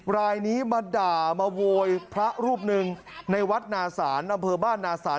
รายนี้มาด่ามาโวยพระรูปหนึ่งในวัดนาศาลอำเภอบ้านนาศาล